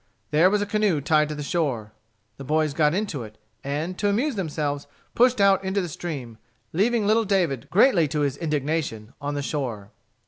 There was a canoe tied to the shore. The boys got into it, and, to amuse themselves, pushed out into the stream, leaving little David, greatly to his indignation, on the shore.